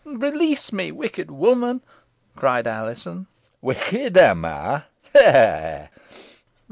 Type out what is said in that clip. "Release me, wicked woman," cried Alizon. "Wicked, am I? ha! ha!"